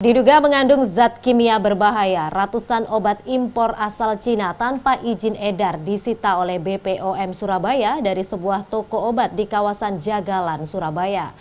diduga mengandung zat kimia berbahaya ratusan obat impor asal cina tanpa izin edar disita oleh bpom surabaya dari sebuah toko obat di kawasan jagalan surabaya